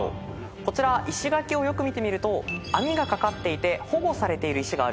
こちら石垣をよく見てみると網が掛かっていて保護されている石があるんです。